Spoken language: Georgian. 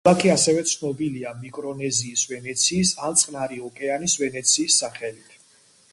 ქალაქი ასევე ცნობილია „მიკრონეზიის ვენეციის“ ან „წყნარი ოკეანის ვენეციის“ სახელით.